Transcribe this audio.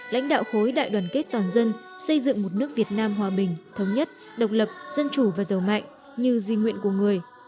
lãnh đạo khối đại đoàn kết toàn dân xây dựng một nước việt nam hòa bình thống nhất độc lập dân chủ và giàu mạnh như di nguyện của người